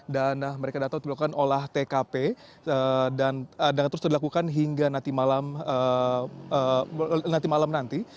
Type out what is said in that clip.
dan mereka datang untuk melakukan olah tkp dan terus dilakukan hingga nanti malam nanti